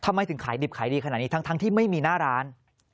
ทำไมถึงขายดิบขายดีขนาดนี้ทั้งที่ไม่มีหน้าร้าน